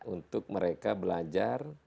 untuk mereka belajar